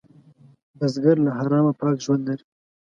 بزګر له حرامه پاک ژوند لري